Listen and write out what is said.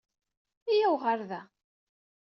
Iyyaw ɣer da.